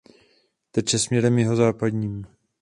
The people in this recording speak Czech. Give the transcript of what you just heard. Teče směrem jihozápadním.